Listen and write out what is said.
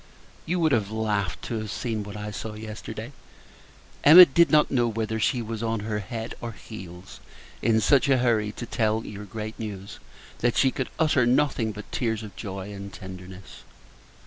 You would have laughed to have seen what I saw yesterday! Emma did not know whether she was on her head or heels in such a hurry to tell your great news, that she could utter nothing but tears of joy and tenderness.